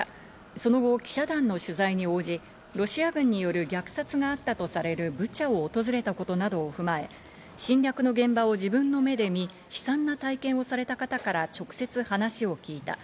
その後、記者団の取材に応じ、ロシア軍による虐殺があったとされるブチャを訪れたことなどを踏まえ、侵略の現場を自分の目で見、悲惨な体験をされた方から直接話を聞いた。